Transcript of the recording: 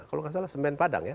kalau nggak salah semen padang ya